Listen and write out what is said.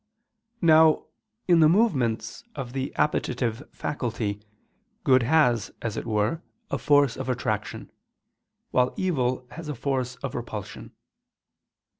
Now, in the movements of the appetitive faculty, good has, as it were, a force of attraction, while evil has a force of repulsion.